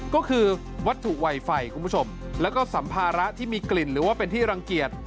ก็คือวัตถุไวไฟคุณผู้ชมแล้วก็สัมภาระที่มีกลิ่นหรือว่าเป็นที่รังเกียจ